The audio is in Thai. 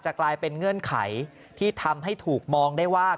กลายเป็นเงื่อนไขที่ทำให้ถูกมองได้ว่า